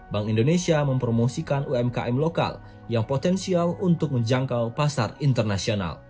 bank indonesia mempromosikan umkm lokal yang potensial untuk menjangkau pasar internasional